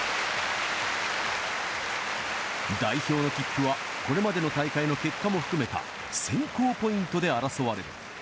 代表の切符は、これまでの大会の結果も含めた、選考ポイントで争われる。